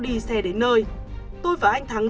đi xe đến nơi tôi và anh thắng